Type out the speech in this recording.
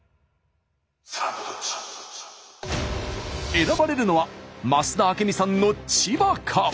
選ばれるのは増田明美さんの千葉か？